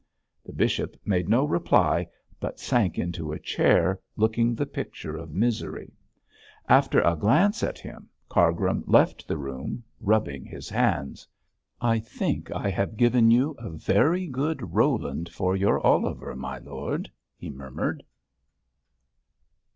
The bishop made no reply, but sank into a chair, looking the picture of misery. After a glance at him, Cargrim left the room, rubbing his hands. 'I think I have given you a very good Roland for your Oliver, my lord!' he murmured.